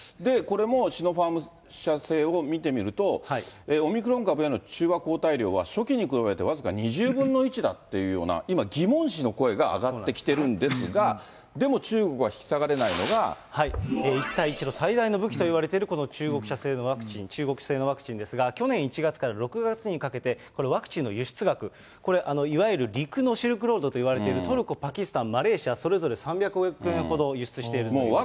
これもシノファーム社製を見てみると、オミクロン株への中和抗体量は初期に比べて僅か２０分の１だというような今、疑問視の声が上がってきてるんですが、でも中国は引一帯一路、最大の武器といわれているこの中国社製のワクチン、中国製のワクチンですが、去年１月から６月にかけて、このワクチンの輸出額、これ、いわゆる陸のシルクロードといわれている、トルコ、パキスタン、マレーシア、それぞれ３００億円ほど輸出してるんです。